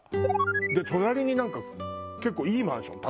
で隣になんか結構いいマンション立ってる。